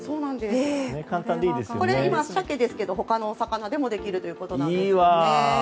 これは鮭ですが他のお魚でもできるということです。